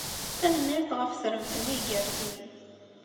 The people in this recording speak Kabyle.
Tanemmirt ɣef tremt-nni igerrzen.